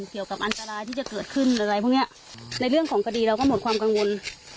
เกี่ยวกับอันตรายที่จะเกิดขึ้นอะไรพวกเนี้ยในเรื่องของคดีเราก็หมดความกังวล